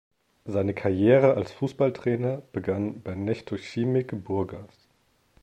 Seine Karriere als Fußballtrainer begann bei Neftochimik Burgas.